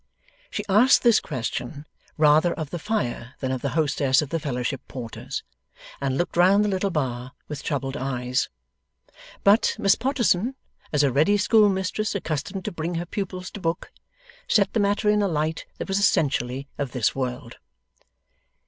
She asked this question, rather of the fire than of the hostess of the Fellowship Porters, and looked round the little bar with troubled eyes. But, Miss Potterson, as a ready schoolmistress accustomed to bring her pupils to book, set the matter in a light that was essentially of this world.